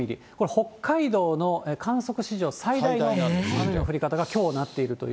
北海道の観測史上最大の雨の降り方が、きょうなっていると。